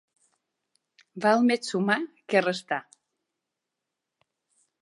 Val més sumar que restar.